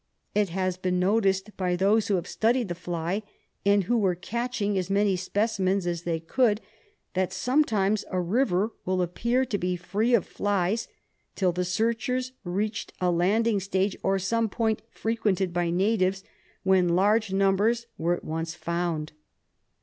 It has been noticed by those who have studied the fly, and who were catching as many specimens as they could, that sometimes a river would appear to be free of flies till the searchers reached a landing stage or other point frequented by natives, when large numbers were at once found.